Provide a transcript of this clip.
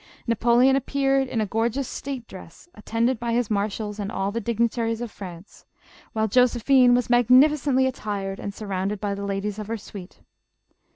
Napoleon appear ed in a gorgeous state dress, attended by his marshals and all the dignitaries of France, while Josephine was magnificently attired and surrounded by the ladies of her suite.